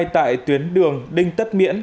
tại tuyến đường đinh tất miễn